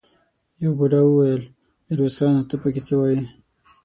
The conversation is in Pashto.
يوه بوډا وويل: ميرويس خانه! ته څه پکې وايې؟